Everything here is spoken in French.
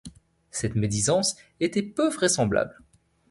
Cette médisance était peu vraisemblable.